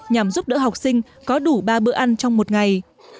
nhằm giúp đỡ học sinh có đủ ba bữa ăn trong một ngày